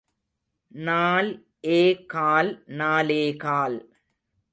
நால் ஏ கால் நாலே கால்.